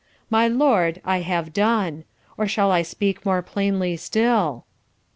My lord, I have done. Or shall I speak more plainly still?'"